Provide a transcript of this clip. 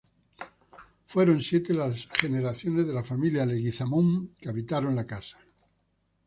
Fueron siete las generaciones de la familia Leguizamón que habitaron la casa.